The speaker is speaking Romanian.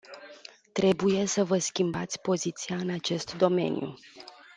Trebuie să vă schimbați poziția în acest domeniu.